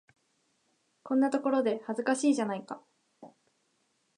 こんなところで、恥ずかしいじゃないか。